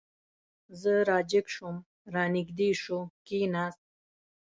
زه را جګ شوم، را نږدې شو، کېناست.